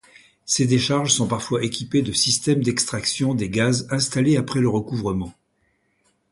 Ces décharges sont parfois équipées de systèmes d'extraction des gaz installés après le recouvrement.